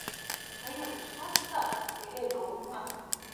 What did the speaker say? Kaya uçmazsa dere dolmaz.